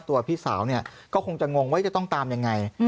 ตัวพี่สาวก็คงจะงงว่าจะต้องตามอย่างไร